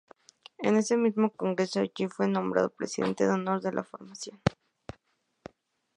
En ese mismo congreso, Allí fue nombrado presidente de honor de la formación.